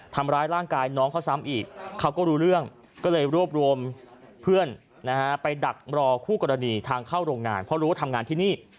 ทำร้ายร่างกายน้องเขาซ้ำอีกเขาก็รู้เรื่องก็เลยรวบรวมเพื่อนไปดักรอคู่กรณีทางเข้าโรงงานเพราะรู้ว่าทำงานที่นี่